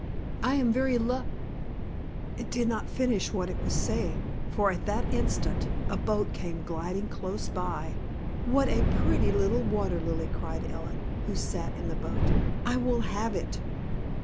I am very luck " It did not finish what it was saying, for at that instant a boat came gliding close by. "What a pretty little Water Lily!" cried Ellen, who sat in the boat. "I will have it!"